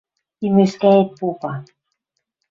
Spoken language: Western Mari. И Мӧскӓэт попа: